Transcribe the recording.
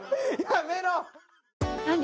やめろ！